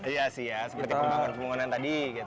iya sih ya seperti pembangunan pembangunan tadi gitu